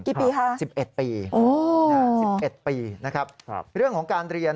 กี่ปีคะ๑๑ปี๑๑ปีนะครับเรื่องของการเรียน